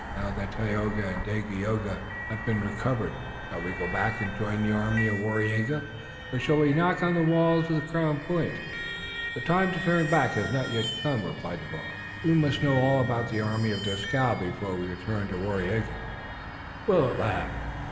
"Now that Tayoga and Dagaeoga have been recovered, shall we go back and join the army of Waraiyageh, or shall we knock on the walls of Crown Point?" "The time to turn back has not yet come," replied the Mohawk. "We must know all about the army of Dieskau before we return to Waraiyageh." Willet laughed.